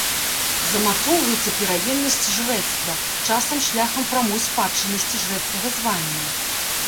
Замацоўваецца пераемнасць жрэцтва, часам шляхам прамой спадчыннасці жрэцкага звання.